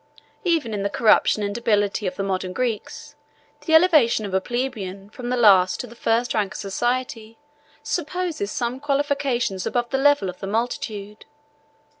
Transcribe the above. Even in the corruption and debility of the modern Greeks, the elevation of a plebeian from the last to the first rank of society, supposes some qualifications above the level of the multitude.